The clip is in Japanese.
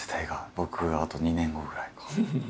僕あと２年後ぐらいか。